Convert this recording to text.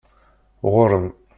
Ɣuṛ-m!